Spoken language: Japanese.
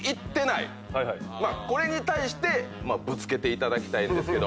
これに対してぶつけていただきたいんですけど。